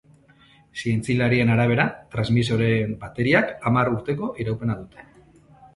Zientzialarien arabera, transmisoreen bateriek hamar urteko iraupena dute.